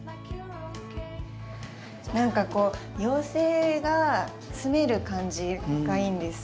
何かこう妖精がすめる感じがいいんです。